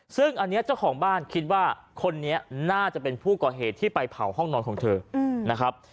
ซึ่งอันนี้เจ้าของบ้านคิดว่าคนนี้น่าจะเป็นผู้ก่อเหตุที่ไปเผาห้องนอนของเธอนะครับ